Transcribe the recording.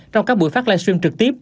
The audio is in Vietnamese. trong các buổi phát live stream trực tiếp